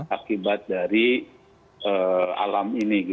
akibat dari alam ini